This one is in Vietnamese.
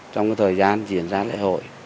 trong thời gian diễn ra lễ hội